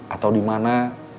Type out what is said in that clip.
atau di mana